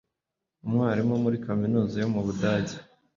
umwarimu muri kaminuza yo mu Budage